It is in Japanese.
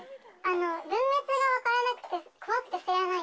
分別が分からなくて、怖くて捨てられない。